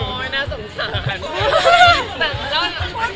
โอ้ยน่าสงสาร